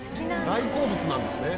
「大好物なんですね」